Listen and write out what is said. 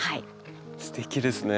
すてきですね。